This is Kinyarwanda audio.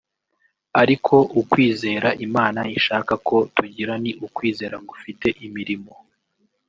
Ariko ukwizera Imana ishaka ko tugira ni ukwizera gufite imirimo